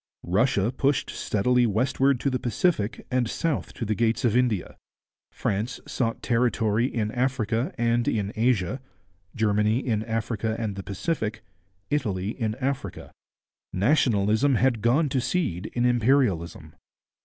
Russia pushed steadily westward to the Pacific and south to the gates of India. France sought territory in Africa and in Asia, Germany in Africa and the Pacific, Italy in Africa. Nationalism had gone to seed in imperialism.